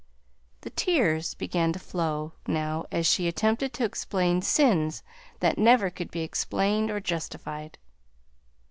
The tears began to flow now as she attempted to explain sins that never could be explained or justified.